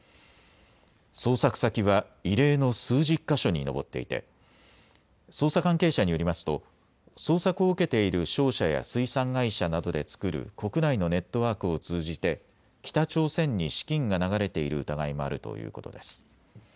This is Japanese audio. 捜索先は異例の数十か所に上っていて捜査関係者によりますと捜索を受けている商社や水産会社などで作る国内のネットワークを通じて北朝鮮に資金が流れている疑いもあるということです。